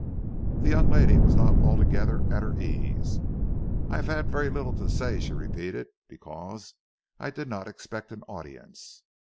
The young lady was not altogether at her ease. "I have had very little to say," she repeated, "because I did not expect an audience."